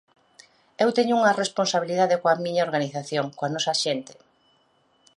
Eu teño unha responsabilidade coa miña organización, coa nosa xente.